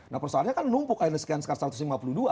nah persoalannya kan lumpuh